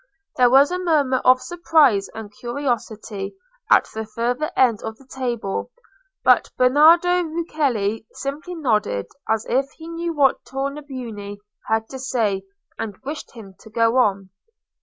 There was a murmur of surprise and curiosity at the farther end of the table; but Bernardo Rucellai simply nodded, as if he knew what Tornabuoni had to say, and wished him to go on.